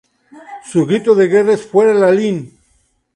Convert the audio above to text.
Su grito de guerra es "Fura Lalín".